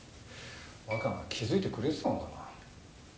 若菜気付いてくれてたのかな？